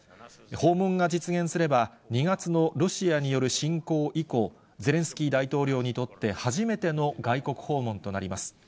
訪問が実現すれば、２月のロシアによる侵攻以降、ゼレンスキー大統領にとって、初めての外国訪問となります。